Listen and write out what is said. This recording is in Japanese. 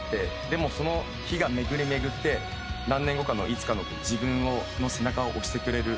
でもその日が巡り巡って何年後かのいつかの自分の背中を押してくれる。